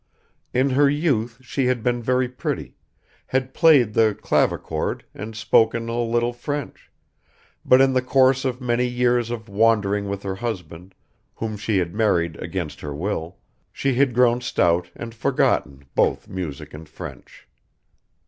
In her youth she had been very pretty, had played the clavichord and spoken a little French; but in the course of many years of wandering with her husband, whom she had married against her will, she had grown stout and forgotten both music and French.